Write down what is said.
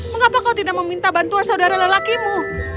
mengapa kau tidak meminta bantuan saudara lelakimu